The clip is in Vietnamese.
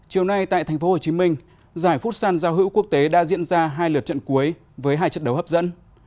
chiều nay tại tp hcm giải phút săn giao hữu quốc tế đã diễn ra hai lượt trận cuối với hai trận đấu hấp dẫn